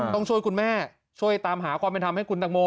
ต้องช่วยคุณแม่ช่วยตามหาความเป็นธรรมให้คุณตังโม